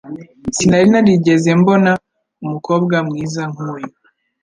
Sinari narigeze mbona umukobwa mwiza nkuyu.